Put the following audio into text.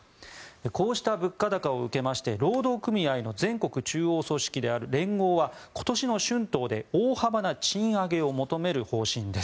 こうした物価高を受けまして労働組合の全国中央組織である連合は今年の春闘で大幅な賃上げを求める方針です。